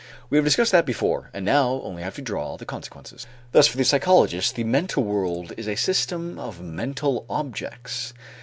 We have discussed that before and now only have to draw the consequences. Thus for the psychologist the mental world is a system of mental objects.